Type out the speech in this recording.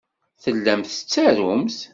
Tellamt tettarumt.